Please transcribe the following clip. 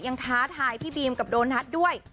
ท้าทายพี่บีมกับโดนัทด้วย